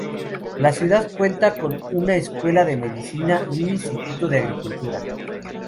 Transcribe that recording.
La ciudad cuenta con una escuela de medicina y un instituto de agricultura.